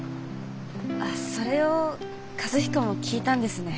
それを和彦も聞いたんですね。